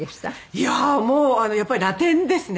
いやもうやっぱりラテンですね。